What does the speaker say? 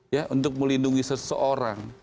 ya untuk melindungi seseorang